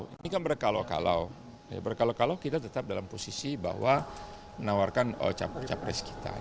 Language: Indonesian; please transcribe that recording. ini kan berkalau kalau berkalau kalau kita tetap dalam posisi bahwa menawarkan ocap ocap res kita